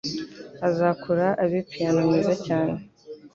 Azakura abe piyano mwiza cyane.